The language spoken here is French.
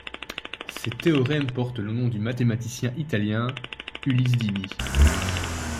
Ces théorèmes portent le nom du mathématicien italien Ulisse Dini.